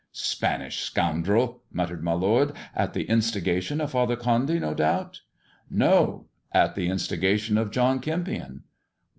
"Spanish scoundrel!" muttered my lord. "At the instigation of Father Condy, no doubt?" " No I At the instigation of John Kempion."